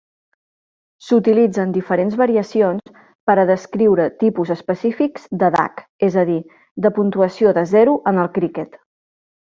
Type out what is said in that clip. S'utilitzen diferents variacions per a descriure tipus específics de "duck", és a dir, de puntuació de zero en el criquet.